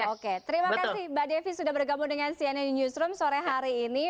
oke terima kasih mbak devi sudah bergabung dengan cnn newsroom sore hari ini